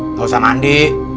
nggak usah mandi